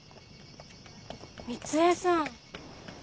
光江さん。